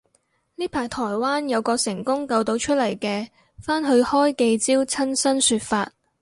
呢排台灣有個成功救到出嚟嘅返去開記招親身說法